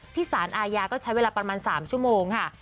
สารอาญาก็ใช้เวลาประมาณ๓ชั่วโมงค่ะ